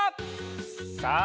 さあ